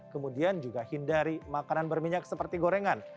kemudian juga hindari makanan berminyak seperti gorengan